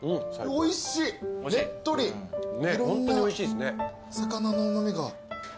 いろんな魚のうま味が。